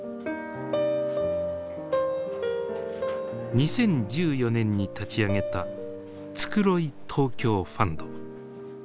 ２０１４年に立ち上げた「つくろい東京ファンド」。